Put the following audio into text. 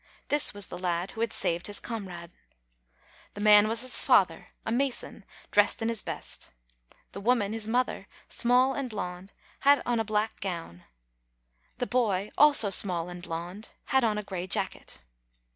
This was the lad who had saved his comrade. The man was his father, a mason, dressed in his best. The woman, his mother, small and blonde, had on a black gown. The boy, also small and blonde, had on a gray jacket.